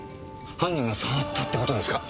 犯人が触ったって事ですか？